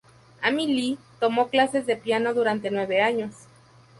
Amy Lee tomó clases de piano durante nueve años.